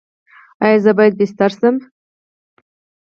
ایا زه باید بستري شم؟